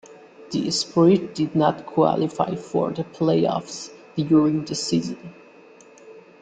The Spirit did not qualify for the playoffs during this season.